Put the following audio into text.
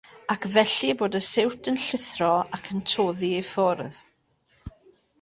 Ac felly bod y siwt yn llithro ac yn toddi i ffwrdd?